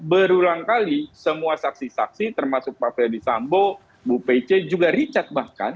berulang kali semua saksi saksi termasuk pak ferdisambo bu pece juga richard bahkan